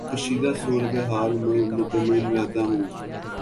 کشیدہ صورت حال میں مطمئن رہتا ہوں